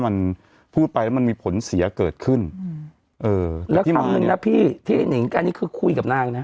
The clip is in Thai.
มันพูดไปแล้วมันมีผลเสียเกิดขึ้น